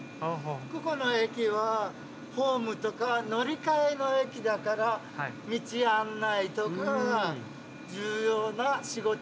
ここの駅はホームとか乗り換えの駅だから道案内とか重要な仕事になっています。